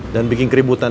dan bikin keributan